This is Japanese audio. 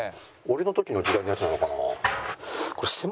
俺の時の時代のやつなのかな？